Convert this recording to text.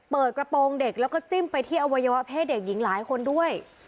เปิดกระโปรงเด็กแล้วก็จิ้มไปที่อวัยวะเพศเด็กหญิงหลายคนด้วย